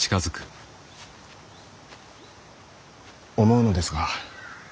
思うのですが。